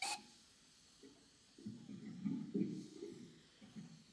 趴倒在地高烧不退